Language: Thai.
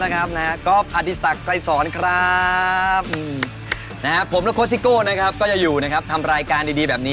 ทางนี้ทางนั้นก็ขึ้นอยู่ที่นักฮีลาแต่ละคน